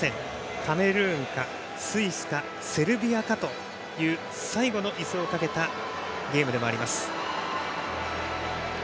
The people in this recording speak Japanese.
カメルーンか、スイスかセルビアかという最後のいすをかけたゲームでもあります。